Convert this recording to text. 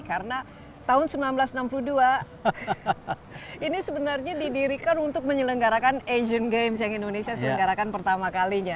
karena tahun seribu sembilan ratus enam puluh dua ini sebenarnya didirikan untuk menyelenggarakan asian games yang indonesia selenggarakan pertama kalinya